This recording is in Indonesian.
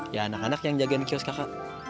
ya anak anak yang jagain kios kakak